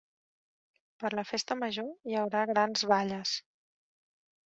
Per la festa major hi haurà grans balles.